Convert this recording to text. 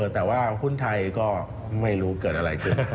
แต่ว่าหุ้นไทยก็ไม่รู้เกิดอะไรขึ้น